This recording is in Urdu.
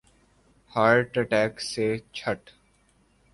ہارٹ اٹیک سے چھٹ